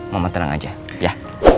mama tenang aja ya